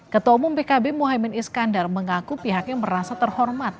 ketua umum pkb mohaimin iskandar mengaku pihaknya merasa terhormat